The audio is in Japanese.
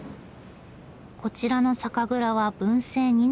こちらの酒蔵は文政２年創業。